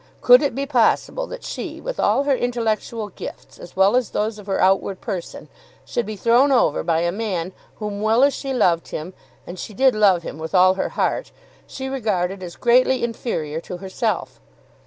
Could it be possible that she, with all her intellectual gifts as well as those of her outward person, should be thrown over by a man whom well as she loved him, and she did love him with all her heart, she regarded as greatly inferior to herself!